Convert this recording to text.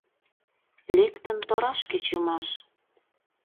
Лектын, торашке чымаш?